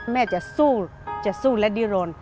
แม่จะสู้จะสู้และดิโรน